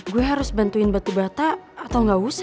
gue harus bantuin batu bata atau gak usah ya